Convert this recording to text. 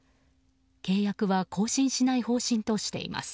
契約は更新しない方針としています。